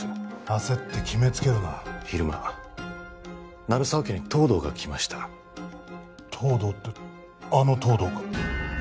焦って決めつけるな昼間鳴沢家に東堂が来ました東堂ってあの東堂か？